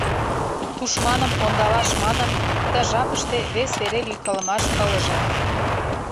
Тушманым ондалаш манын, ты жапыште вес вере лӱйкалымаш ылыже.